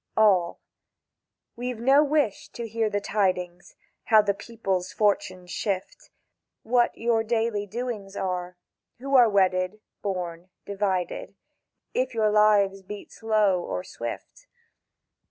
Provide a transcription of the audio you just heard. All. —"We've no wish to hear the tidings, how the people's fortunes shift; What your daily doings are; Who are wedded, born, divided; if your lives beat slow or swift.